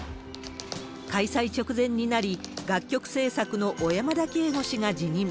開催直前になり、楽曲制作の小山田圭吾氏が辞任。